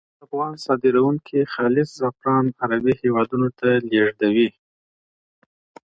څنګه افغان صادروونکي خالص زعفران عربي هیوادونو ته لیږدوي؟